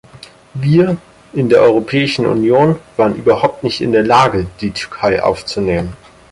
Wir in der Europäischen Union wären überhaupt nicht in der Lage, die Türkei aufzunehmen.